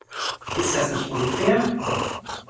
Ist das nicht unfair?